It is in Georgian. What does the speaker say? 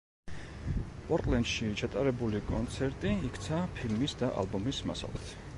პორტლენდში ჩატარებული კონცერტი იქცა ფილმის და ალბომის მასალად.